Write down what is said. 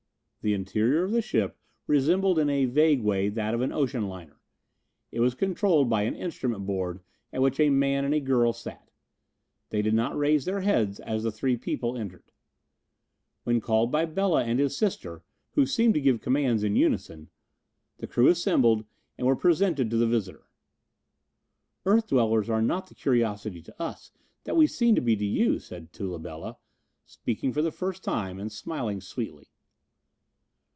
The interior of the ship resembled in a vague way that of an ocean liner. It was controlled by an instrument board at which a man and a girl sat. They did not raise their heads as the three people entered. When called by Bela and his sister, who seemed to give commands in unison, the crew assembled and were presented to the visitor. "Earth dwellers are not the curiosity to us that we seem to be to you," said Tula Bela, speaking for the first time and smiling sweetly.